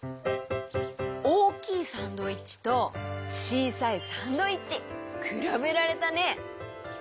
おおきいサンドイッチとちいさいサンドイッチ！くらべられたね！